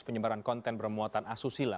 penyebaran konten bermuatan asusila